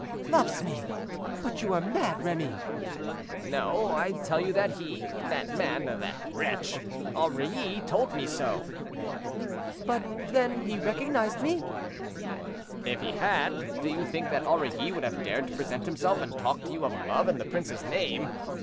"Loves me! but you are mad, Remy." "No; I tell you that he—that man—that wretch, Aurilly, told me so." "But, then, he recognized me?" "If he had, do you think that Aurilly would have dared to present himself and talk to you of love in the prince's name?